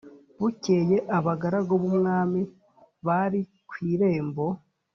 Bukeye abagaragu b umwami bari ku irembo